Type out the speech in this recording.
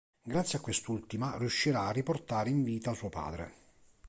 Grazie a quest'ultima riuscirà a riportare in vita suo padre.